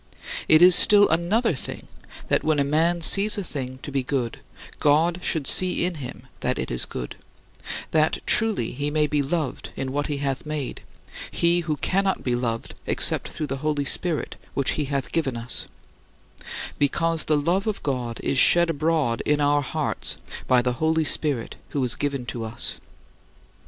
It is still another thing that when a man sees a thing to be good, God should see in him that it is good that truly he may be loved in what he hath made, he who cannot be loved except through the Holy Spirit which he hath given us: "Because the love of God is shed abroad in our hearts by the Holy Spirit who is given to us."